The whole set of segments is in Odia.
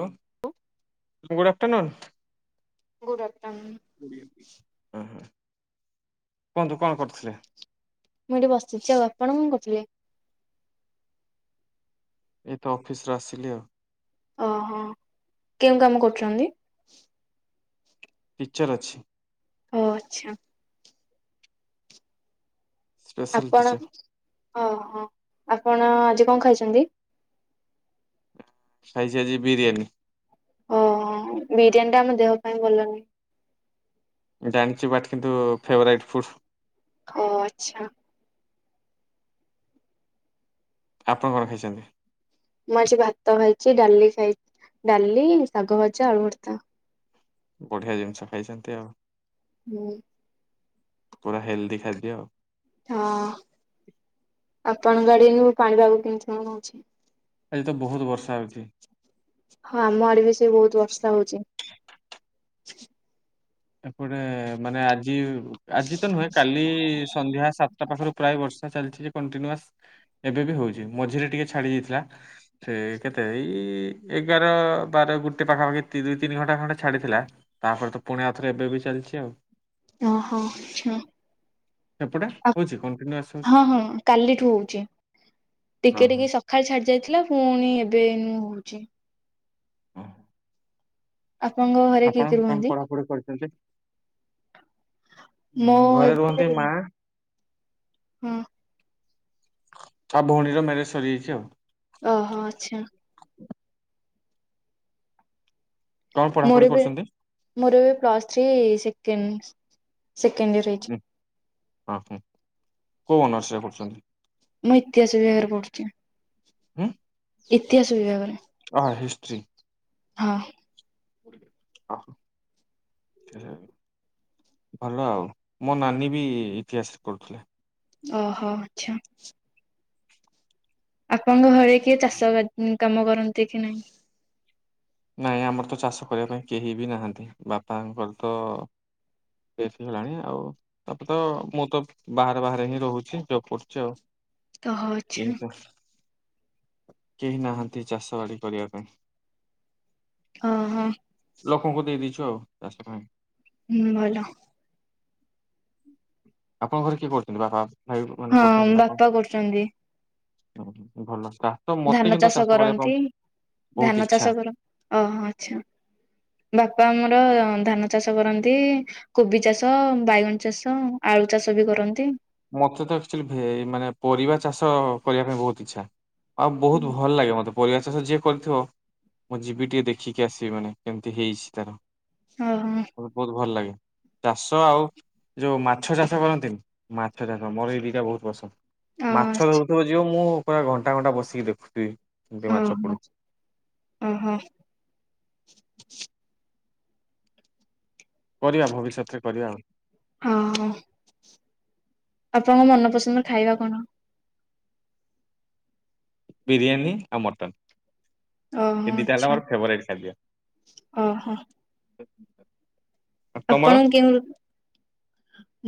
Hello good afternoon. Good afternoon ହଁ ହଁ। କୁହନ୍ତୁ କଣ କରୁଥିଲେ? ମୁଁ ଏଠି ବସିଛି ଆଉ ଆପଣ କଣ କରୁଥିଲେ? ଏଇ ତ ଅଫିସରୁ ଆସିଲି ଆଉ। ଓ ହ କେଉଁ କାମ କରୁଛନ୍ତି? ଟିଚର ଅଛି। ଓ ଆଚ୍ଛା। ସ୍ପେଶାଲ ଆପଣ ଟିଚର ହଁ ହଁ ଆପଣ ଆଜି କଣ ଖାଇଛନ୍ତି? ଖାଇଛି ଆଜି ବିରିୟାନୀ। ଓ ହୋ ବିରିୟାନୀ ଟା ଆମ ଦେହ ପାଇଁ ଭଲ ନୁହେଁ। ଜାଣିଛି ବଟ କିନ୍ତୁ ଫେଭରାଇଟ୍ ଫୁଡ। ଓ ଆଚ୍ଛା। ଆପଣ କଣ ଖାଇଛନ୍ତି? ମୁଁ ଆଜି ଭାତ ଖାଇଛି ଡାଲି ଖାଇ ଡାଲି, ଶାଗ ଭଜା, ଆଳୁ ଭର୍ତା। ବଢିଆ ଜିନିଷ ଖାଇଛନ୍ତି ଆଉ। ହୁଁ। ପୁରା ହେଲଦି ଖାଦ୍ୟ ଆଉ। ହଁ ଆପଣ ଆଡିରୁୁ ପାଣି ପାଗକୁ କେମତି କଣଅଛି? ଆଜି ତ ବହୁତ ବର୍ଷା ହଉଛି। ହଁ ଆମ ଆଡ ବି ସେ ବହୁତ ବର୍ଷା ହଉଛି। ଏପଟେ ମାନେ ଆଜି ଆଜି ତ ନୁହେଁ କାଲି ସନ୍ଧ୍ୟା ସାତଟା ପାଖରୁ ପ୍ରାୟ ବର୍ଷା ଚାଲିଚି କଣ୍ଟିନିୟୋସ୍ ଏବେ ବି ହଉଛି ମଝିରେ ଟିକେ ଛାଡି ଯାଇଥିଲା ସେ କେତେ ଏଇ ଏଗାର, ବାର, ଗୋଟେ ପାଖାପାଖି ଦୁଇ ତିନି ଘଣ୍ଟା ଖଣ୍ଡେ ଛାଡ଼ିଥିଲା ତାପରେ ତ ପୁଣି ଏବେ ବି ଚାଲିଚି ଆଉ। ଓହୋ ହୁଁ। ସେପଟେ ଆ ହଉଛି କଣ୍ଟିନ୍ୟୁଆସ୍ ହଉଛି। ହଁ ହଁ କାଲିଠୁ ହଉଛି। ଟିକେ ଓହୋ ଟିକେ ସକାଳେ ଛାଡି ଯାଇଥିଲା ପୁଣି ଏବେ ହଉଛି। [unintelligible] ଆପଣଙ୍କ ଘରେ କିଏ ଆପଣ କିଏ କଣ ରୁହନ୍ତି? ପଢାପଢି କରିଛନ୍ତି? ମୁଁ ଊଁ ଘରେ ରୁହନ୍ତି ମା ହୁଁ। ତା ଭଉଣୀର ମ୍ୟାରେଜ ସରିଯାଇଛି ଆଉ। ଓହୋ ଆଚ୍ଛା। କଣ ପଢାପଢି ମୋର ବି କରୁଛନ୍ତି? ମୋର ବି plus three second second year ହେଇଚି। ଓହୋ କୋଉ ଅନ୍ସ ରେ କରୁଛନ୍ତି? ମୁଁ ଇତିହାସ ବିଭାଗରେ ପଢୁଚି। ହୁଁ? ଇତିହାସ ବିଭାଗରେ। ହଁ ହିଷ୍ଟ୍ରୀ। ହଁ। ଆଉ ଭଲ ଆଉ ମୋ ନାନୀ ବି ଇତିହାସରେ କରୁଥିଲେ। ଓହୋ ଆଚ୍ଛା। ଆପଣଙ୍କ ଘରେ କିଏ ଚାଷ କାମ କରନ୍ତି କି ନାହିଁ? ନାଇଁ ଆମର ତ ଚାଷ କରିବା ପାଇଁ କେହି ବି ନାହାନ୍ତି ବାପାଙ୍କର ତ ଡେଥ ହେଲାଣି ଆଉ ତାପରେ ତ ମୁଁ ତ ବାହାରେ ବାହାରେ ହିଁ ରହୁଛି ଜବ୍ କରୁଛି ଆଉ। ଓହୋ କେହି ଆଚ୍ଛା। ତ କେହି ନାହାନ୍ତି ଚାଷବାଡ଼ି କରିବା ପାଇଁ। ଓ ହୋ। ଲୋକଙ୍କୁ ଦେଇ ଦେଇଛୁ ଆଉ ଚାଷ ପାଇଁ। ହୁଁ ଭଲ। ଆପଣଙ୍କ ଘରେ କିଏ କରୁଛନ୍ତି ବାପା? ଭାଇ ମାନେ ହଁ, ବାପା କରୁଚନ୍ତି। ଓହୋ! ଭଲ। ଚାଷ ମତେ ଧାନ କିନ୍ତୁ ଚାଷ କରିବା ପାଇଁ କରନ୍ତି ବହୁତ ଧାନ ଇଚ୍ଛା। ଚାଷ କରନ୍। ଓହୋ! ଆଚ୍ଛା ବାପା ଆମର ଧାନ ଚାଷ କରନ୍ତି। କୋବି ଚାଷ, ବାଇଗଣ ଚାଷ ଆଳୁ ଚାଷ ବି କରନ୍ତି। ମତେ ତ ଆକଚୋଲି ଭେଜ୍ ମାନେ ପରିବା ଚାଷ କରିବା ପାଇଁ ବୋହୁତ ଇଚ୍ଛା। ଆଉ ବୋହୁତ ଭଲ ଲାଗେ ମୋତେ। ପରିବା ଚାଷ ଯିଏ କରିଥିବ ମୁଁ ଯିବି ଟିକିଏ ଦେଖିକି ଆସିବି ମାନେ କେମିତି ହେଇଛି ତାର ଓହୋ ମତେ ବହୁତ ଭଲ ଲାଗେ ଚାଷ ଆଉ ଯୋଉ ମାଛ ଚାଷ କରନ୍ତ [unintelligible] ମାଛ ଚାଷ ମୋର ଏଇ ଦିଟା ବହୁତ ପସନ୍ଦ ଅ ମାଛ ଆଚ୍ଛା ଧରୁଥିବ ଯିବ ମୁଁ ପୁରା ଘଣ୍ଟା ଘଣ୍ଟା ବସିକି ଦେଖୁଥିବି। କେମିତି ଓ ମାଛ ହଁ, ପଡୁଛି। ଓହୋ! କରିବା ଭବିଷ୍ୟତରେ କରିବା ଆଉ। ଓ, ହଁ ଆପଣଙ୍କ ମନପସନ୍ଦର ଖାଇବା କଣ? ବିରିୟାନୀ ଆଉ ମଟନ୍। ଓହୋ ଏ ଦିଟା ହେଲା ଆଚ୍ଛା ମୋର ଫେଭରାଇଟ୍ ଖାଦ୍ୟ। ଓହୋ ତମର? ଆପଣଙ୍କୁ କେଉଁ ମ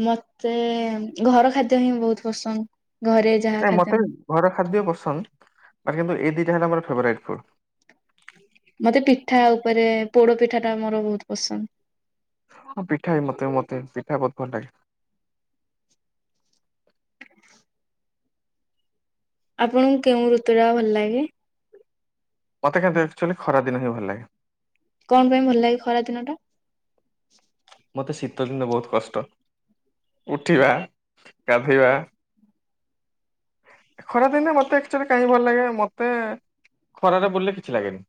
ମତେ ଘର ଖାଦ୍ୟ ହିଁ ବହୁତ ପସନ୍ଦ। ଘରେ ଯାହା ନା ଖାଦ୍ୟ ମୋତେ ବି ଘର ଖାଦ୍ୟା ପାସନ୍ଦ୍ [unintelligible] ବାକି ମୋର ଏଇ ଦିଟା ହେଲା ମୋର ଫେବରାଇଟ ଫୁଡ ମତେ ପିଠା ଉପରେ ପୋଡ ପିଠା ଟା ମୋର ବୋହୁତ ପସନ୍ଦ। ହଁ ପିଠା ବି ମତେ ମତେ ପିଠା ବୋହୁତ ଭଲ ଲାଗେ। ଆପଣଙ୍କୁ କେଉଁ ଋତୁ ଟା ଭଲ ଲାଗେ? ମୋତେ କିନ୍ତୁ ଏକଚୁଆଲି ଖରା ଦିନ ହିଁ ଭଲ ଲାଗେ। କଣ ପାଇଁ ଭଲ ଲାଗେ ଖରା ଦିନ ଟା। ମତେ ଶୀତ ଦିନ ବୋହୁତ କଷ୍ଟ ଉଠିବା ଗାଧଇବା। ଖରା ଦିନେ ମତେ ଆକଚୁଆଲି କାହିଁକି ଭଲ ଲାଗେ ମତେ ଖରାରେ ବୁଲିଲେ କିଛି ଲାଗେନି।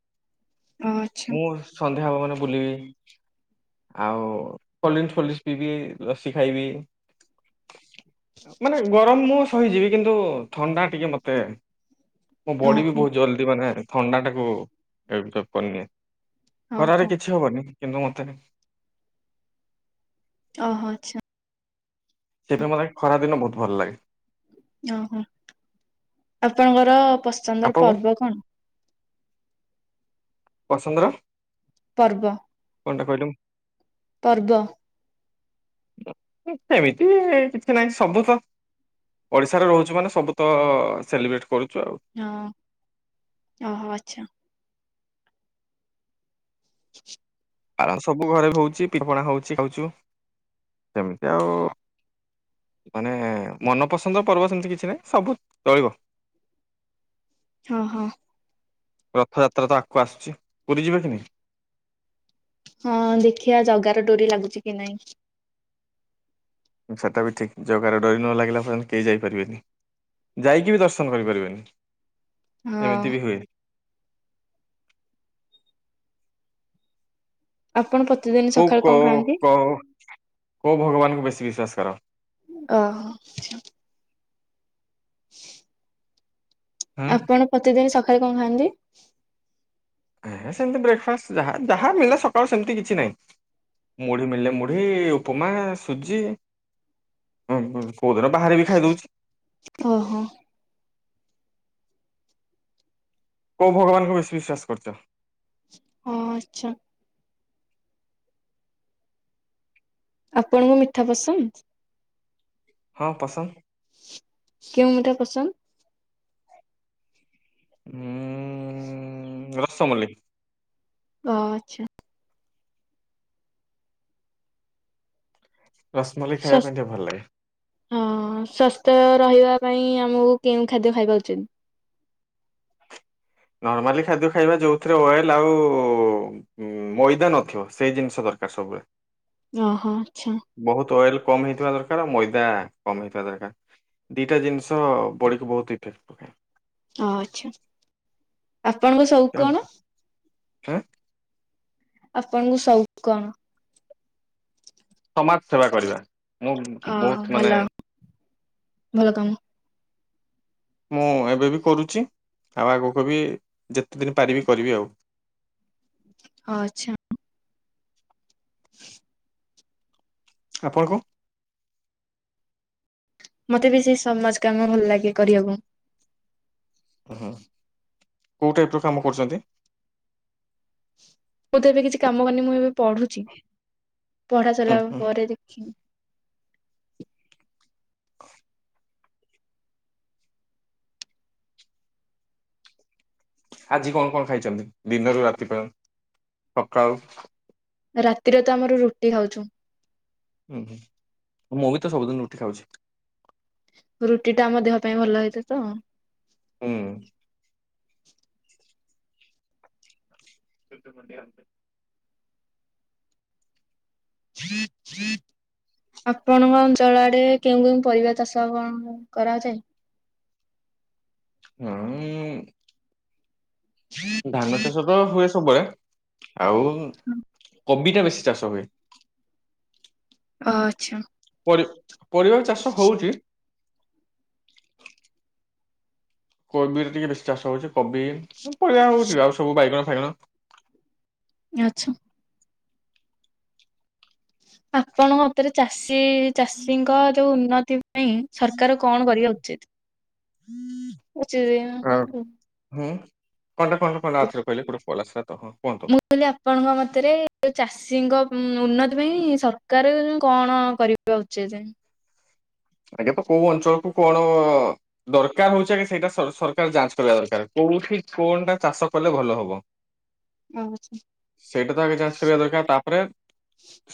ଓ ଆଚ୍ଛା ମୁଁ ସନ୍ଧ୍ୟା ହବ ମାନେ ବୁଲିବି। ଆଉ କୋଲ୍ଡ୍ରିଙ୍କଶ୍ ଫୋଲ୍ଡ୍ରିଙ୍କଶ୍ ପିଇବି ଲସି ଖାଇବି। ମାନେ ଗରମ ମୁଁ ସହିଯିବି କିନ୍ତୁ ଥଣ୍ଡା ଟିକେ ମତେ ମୋ ବଡି ବି ଓହୋ ବୋହୁତ ଜଲଦି ମାନେ ଥଣ୍ଡା ଟାକୁ [unintelligible] କରିନିଏ। ଓହୋ ଖରାରେ କିଛି ହବନି କିନ୍ତୁ ମତେ ଓହୋ ଆଚ୍ଛା। ସେତ୍ ପାଇଁ ମୋତେ [unintelligible] ଖରା ଦିନ ବୋହୁତ ଭଲ ଲାଗେ। ଓହୋ ଆପଣଙ୍କର ପସନ୍ଦର ଆପଣଙ୍କୁ ପର୍ବ କଣ? ପସନ୍ଦର ପର୍ବ କଣ୍ ଟା କିହିଲୁ। ପର୍ବ ସେମିତି କିଛି ନାହିଁ ସବୁ ତ ଓଡିଶାରେ ରହୁଛୁ ମାନେ ସବୁ ତ ସେଲିବ୍ରେଟ୍ ହଁ ଓହୋ ଆଛା ଆରାମ ସବୁ ଘରେ ହଉଚି ପିପଣା ହଉଚି ଖାଉଚୁ ସେମିତି ଆଉ ମାନେ ମନପସନ୍ଦ ପର୍ବ ସେମିତି କିଛି ନାହିଁ ସବୁ ଚଳିବ। ହଁ ହଁ ରଥଯାତ୍ରା ତ ଆଗକୁ ଆସୁଛି ପୁରୀ ଯିବେ ନି କି। ହଁ ଦେଖିଆ ଜଗାର ଡୋରି ଲାଗୁଛି କି ନଇଁ। ସେଟା ବି ଠିକ୍ ଜଗାର ଡୋରି ନ ଲାଗିଲା ପର୍ଯ୍ୟନ୍ତ କେହି ଯାଇପାରିବେନି। ଯାଇକି ବି ଦର୍ଶନ କରିପାରିବେନି ହଁ ଏମିତି ବି ହୁଏ। ଆପଣ ପ୍ରତିଦିନ କୁ ସକାଳେ କ କଣ ଖାଆନ୍ତି? କ କୋଉ ଭଗବାନଙ୍କୁ ବେଶୀ ବିଶ୍ଵାସ କର? ଓହୋ। [inaudible] ହୁଁ ଆପଣ ପ୍ରତିଦିନ ସକାଳେ କଣ ଖାଆନ୍ତି? ସେମତି ବ୍ରେକ୍ଫାଷ୍ଟ ଯା ଯାହା ମିଳିଲା ସକାଳୁ ସେମିତି କିଛି ନାହିଁ। ମୁଢି ମିଳିଲେ ମୁଢି ଉପମା ସୁଜି ହଁ କୋଉଦିନ ବାହାରେ ବି ଖାଇଦଉଛି। ଓ ହୋ। କୋଉ ଭଗବାନଙ୍କୁ ବେଶୀ ବିଶ୍ୱାସ କରୁଛ? ହଁ ଆଚ୍ଛା। ଆପଣଙ୍କୁ ମିଠା ପସନ୍ଦ? ହଁ ପସନ୍ଦ କେଉଁ ମିଠା ପସନ୍ଦ? ହୁଁ ରସମଲେଇ। ଓ ଆଚ୍ଛା। ରସମଲେଇ ଖାଇବା ପାଇଁ ଟିକେ ଭଲ ଲାଗେ [unintelligible] ସୁସ୍ଥ ରହିବା ପାଇଁ ଆମକୁ କେଉଁ ଖାଦ୍ୟ ଖାଇବା ଉଚିତ? ନର୍ମାଲି ଖାଦ୍ୟ ଖାଇବା ଯୋଉଥିରେ ଅଏଲ ଆଉ ମଇଦା ନଥିବ ସେଇ ଜିନିଷ ତକ। ସବୁବେଳେ ଓହୋ ଆଚ୍ଛା ବହୁତ ଅଏଲ କମ ହେଇଥିବା ଦରକାର ମଇଦା ନା କମହେଇଥିବା ଦରକାର ଦିଟା ଜିନିଷ ପଡିକି ବହୁତ ଇଫେକ୍ଟ ପକାଏ। ଓ ଆଚ୍ଛା। ଆପଣ ସୋଉକ କଣ? ହା? ଆପଣଙ୍କ ସୋଉକ କଣ? ସମାଜ ସେବା କରିବା ମୁଁ ଅ ବହୁତ ମାନେ ଭଲ ଭଲ କାମ [inaudible] ମୁଁ ଏବେ ବି କରୁଛି ଆଉ ଆଗକୁ ବି ଯେତେ ଦିନ ପାରିବି କରିବି ଆଉ। [inaudible] ହଁ ଆଚ୍ଛା। [inaudible] ଆପଣଙ୍କ? ମତେ ବି ସେଇ ସମାଜ କାମ ଭଲ ଲାଗେ କରିବାକୁ। ହୁଁ କୋଉ ଟାଇପର କାମ କରୁଛନ୍ତି? ମୁଁ ତ ଏବେ କିଛି କାମ କରିନି ମୁଁ ଏବେ ପଢୁଛି ପଢା ହୁଁ ସରିଲା ହୁଁ ପରେ ଦେଖିବି। [inaudible] ଆଜି କଣ କଣ ଖାଇଛନ୍ତି ଦିନରୁ ରାତି ପର୍ଯ୍ୟନ୍ତ ସକାଳୁ? ରାତିରେ ତ ଆମର ରୁଟି ଖାଉଛୁ। ହୁଁ ହୁଁ ମୁଁ ବି ତ ସବୁଦିନ ରୁଟି ଖାଉଛି। ରୁଟି ଟା ଆମ ଦେହ ପାଇଁ ଭଲ ହେଇଥାଏ ତ। ହୁଁ। [inaudible] [inaudible] [unintelligible] ଆପଣଙ୍କ ଅଞ୍ଚଳରେ କେଉଁ କେଉଁ ପରିବା ଚାଷ କଣ କରାଯାଏ? ହଁ ଉଁ ଧାନ ଚାଷ ତ ହୁଏ ସବୁ ବେଳେ ଆଉ କୋବି ଟା ବେଶୀ ଚାଷ ହୁଏ। ଓ ଆଚ୍ଛା। ପରିବାର ଚାଷ ହଉଛି। କୋବିରେ ଟିକେ ବେଶୀ ଚାଷ ହଉଛି କୋବି ପରିବା ହଉଚି ଆଉ ସବୁ ବାଇଗଣ ବାଇଗଣ ଆଛା। ଆପଣଙ୍କ ମତରେ ଚାଷୀ ଆଜି ଚାଷୀଙ୍କ ଯୋଉ ଉନ୍ନତି ପାଇଁ ସରକାର କଣ କରିବା ଉଚିତ? ଆ ଉଚିତ୍। ହୁଁ କଣଟା କଣଟା କଣଟା ଆଉଥରେ କହିଲେ ଗୋଟେ କଲ ଆସିଲାତ ହ କୁହନ୍ତୁ? ମୁଁ କହିଲି ଆପଣଙ୍କ ମତରେ ଚାଷୀଙ୍କ ଉନ୍ନତି ପାଇଁ ସରକାର କଣ କରିବା ଉଚିତ? ଆଜ୍ଞା ତ କୋଉ ଅଞ୍ଚଳ କୁ କଣ ଦରକାର ହଉଚି ଆଗେ ସେଇଟା ସରକାର ଯାଞ୍ଚ କରିବା ଦରକାର। କୋଉଠି କଣ ଟା ଚାଷ କଲେ ଭଲ ହବ। ଆଚ୍ଛା ସେଇଟା ତଆଗେ ଯାଞ୍ଚ କରିବା ଦରକାର ତାପରେ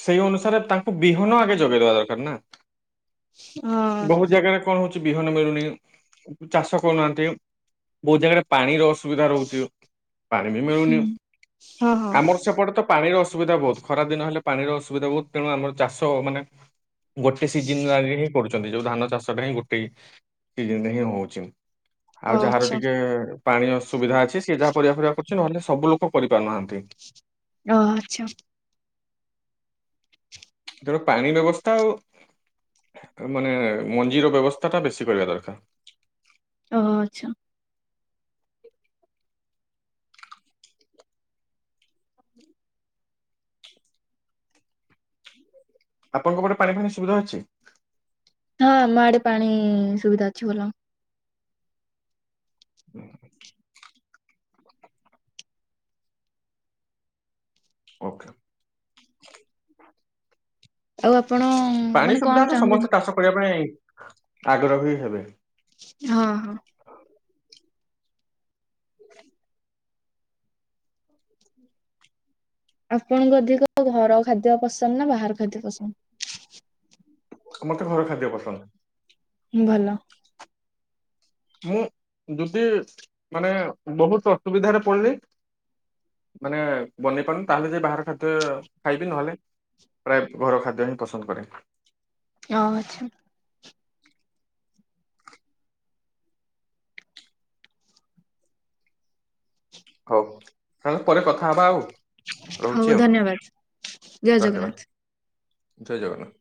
ସେଇ ଅନୁସାରେ ତାଙ୍କୁ ବିହନ ଆଗ ଯୋଗେଇଦବା ଦରକାର ନା, ବହୁତ ଜାଗାରେ କଣ ହଉଛି ବିହନ ମିଳୁନି ଚାଷ କରୁନାହାନ୍ତି। ବହୁତ ଜାଗାରେ ପାଣିର ଅସୁବିଧା ରହୁଛି। ପାଣି ବି ହଁ ମିଳୁନି ହଁ ହଁ ଆମର ସେପଟେ ତ ପାଣିର ଅସୁବିଧା ବହୁତ, ଖରା ଦିନ ହେଲେ ପାଣିର ଅସୁବିଧା ବହୁତ ତେଣୁ ଆମର ଚାଷ ମାନେ ଗୋଟେ ସିଜିନ ଆଗେ ହିଁ କରୁଛନ୍ତି, ଯୋଉ ଧାନ ଚାଷ ଟା ହିଁ ଗୋଟେ ସିଜିନ ରେ ହିଁ ହଉଚି। ଆଉ ଯାହାର ଆଚ୍ଛା ଟିକେ ପାଣି ଅସୁୁବିଧା ଅଛି, ସିଏ ଯାହା ପରିବା ଫରିବା କରୁ କିଛି ନହେଲେ ସବୁ ଲୋକ କରିପାରୁନାହାନ୍ତି ଓ ହୋ ଆଛା। ତେଣୁ ପାଣି ବ୍ୟବସ୍ଥା ଆଉ ମାନେ ମଞ୍ଜିର ବ୍ୟବସ୍ଥାଟା ବେଶୀ କରିବା ଦରକାର। ଓ ହୋ ଆଛା। ଆପଣଙ୍କ ପଟେ ପାଣିଫାଣି ସୁବିଧା ଅଛି? ହଁ ଆମ ଆଡେ ପାଣି ସୁବିଧା ଅଛି ଭଲ। [unintelligible] ଓକେ ଆଉ ଆପ? ପାଣି ସୁବିଧା ହେଲେ ସମସ୍ତେ ଚାଷ କରିବା ପାଇଁ ଆଗ୍ରହୀ ହେବେ। ହଁ ହଁ [unintelligible] [unintelligible] ଆପଣଙ୍କୁ ଅଧିକ ଘର ଖାଦ୍ୟ ପସନ୍ଦ ନା ବାହାର ଖାଦ୍ୟ ପସନ୍ଦ? ମତେ ଘର ଖାଦ୍ୟ ପସନ୍ଦ। ହୁଁ ଭଲ। ମୁଁ ଯଦି ମାନେ ବହୁତ ଅସୁବିଧାରେ ପଡିଲି? ମାନେ ବନେଇ ପାରୁନୁ, ତାହେଲେ ଯାଇ ବାହାର ଖାଦ୍ୟ ଖାଇବି ନହେଲେ ପ୍ରାଏ ଘର ଖାଦ୍ୟ ହିଁ ପସନ୍ଦ କରେ। ଓ ହ ଆଛା ହଉ ତାହେଲେ ପରେ କଥା ହବା ଆଉ ହଉ ରହୁଛି ଆଉ ଧନ୍ୟବାଦ ଜୟ ଧନ୍ୟବାଦ। ଜଗନ୍ନାଥ। ଜୟ ଜଗନ୍ନାଥ।